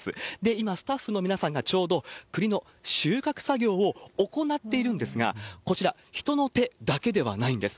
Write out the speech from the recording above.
今、スタッフの皆さんがちょうど栗の収穫作業を行っているんですが、こちら、人の手だけではないんです。